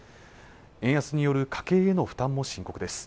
円安による家計への負担も深刻です